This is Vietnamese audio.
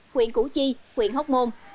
huyện củ chi huyện hốc môn